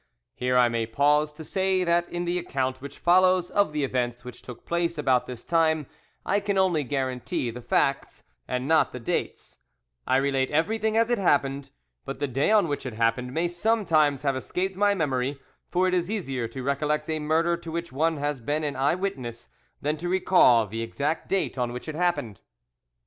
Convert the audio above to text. Here I may pause to say that in the account which follows of the events which took place about this time, I can only guarantee the facts and not the dates: I relate everything as it happened; but the day on which it happened may sometimes have escaped my memory, for it is easier to recollect a murder to which one has been an eye witness, than to recall the exact date on which it happened.